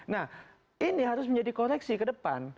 nah ini harus menjadi koreksi ke depan